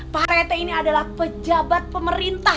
pak rete ini adalah pejabat pemerintah